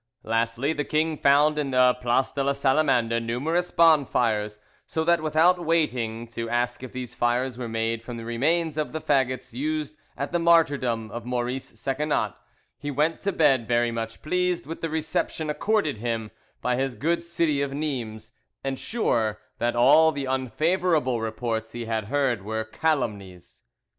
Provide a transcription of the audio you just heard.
Lastly, the king found in the Place de la Salamandre numerous bonfires, so that without waiting to ask if these fires were made from the remains of the faggots used at the martyrdom of Maurice Secenat, he went to bed very much pleased with the reception accorded him by his good city of Nimes, and sure that all the unfavourable reports he had heard were calumnies.